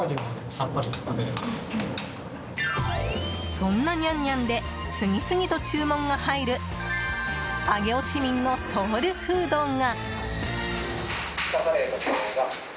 そんな娘娘で次々と注文が入る上尾市民のソウルフードが。